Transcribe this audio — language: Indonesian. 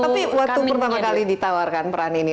tapi waktu pertama kali ditawarkan peran ini